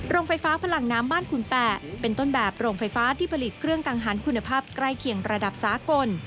โรงไฟฟ้าพลังน้ำบ้านขุนแปะเป็นต้นแบบโรงไฟฟ้าที่ผลิตเครื่องกังหันคุณภาพใกล้เคียงระดับสากล